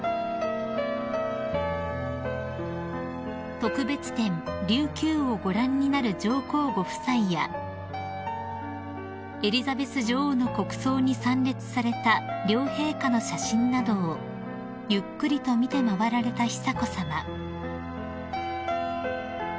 ［特別展「琉球」をご覧になる上皇ご夫妻やエリザベス女王の国葬に参列された両陛下の写真などをゆっくりと見て回られた久子さま］